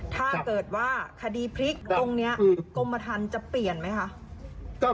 ถ้าเกิดว่าคดีพลิกตรงนี้กรมธรรมจะเปลี่ยนไหมคะ